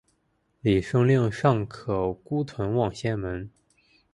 李晟令尚可孤屯望仙门。